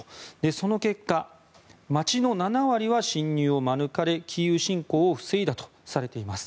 その結果、街の７割は侵入を免れキーウ侵攻を防いだとされています。